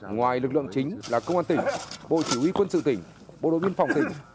ngoài lực lượng chính là công an tỉnh bộ chỉ huy quân sự tỉnh bộ đối miên phòng tỉnh